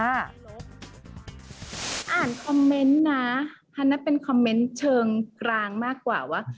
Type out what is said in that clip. อ่านคอมเมนต์นะอันนั้นเป็นคอมเมนต์เชิงกลางมากกว่าว่า